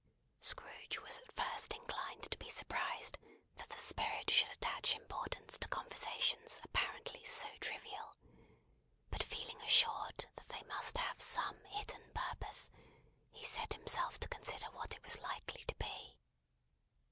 Scrooge was at first inclined to be surprised that the Spirit should attach importance to conversations apparently so trivial; but feeling assured that they must have some hidden purpose, he set himself to consider what it was likely to be.